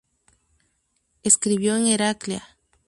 Escribió en Heraclea.